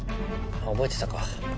覚えてたか。